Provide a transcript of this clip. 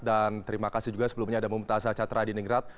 dan terima kasih juga sebelumnya ada mumtazah chatera di ningrat